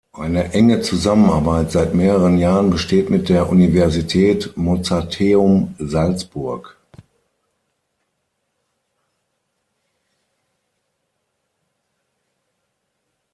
Eine enge Zusammenarbeit seit mehreren Jahren besteht mit der Universität Mozarteum Salzburg.